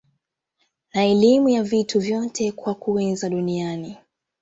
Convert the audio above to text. na elimu ya vitu vyote kwa kuweza duniani